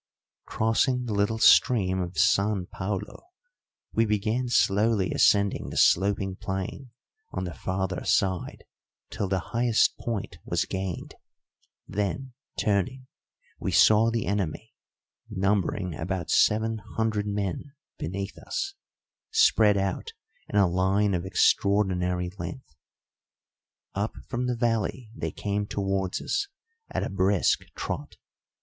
Crossing the little stream of San Paulo, we began slowly ascending the sloping plain on the farther side till the highest point was gained; then, turning, we saw the enemy, numbering about seven hundred men, beneath us, spread out in a line of extraordinary length. Up from the valley they came towards us at a brisk trot.